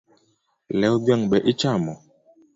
Lew dhiang’ be ichamo?